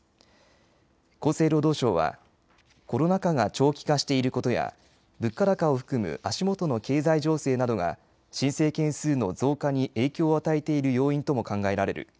厚生労働省はコロナ禍が長期化していることや物価高を含む足元の経済情勢などが申請件数の増加に影響を与えている要因とも考えられる。